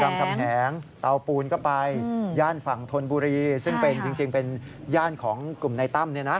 รามคำแหงเตาปูนก็ไปย่านฝั่งธนบุรีซึ่งจริงเป็นย่านของกลุ่มในตั้ม